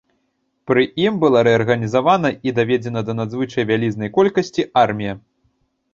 Пры ім была рэарганізавана і даведзеная да надзвычай вялізнай колькасці армія.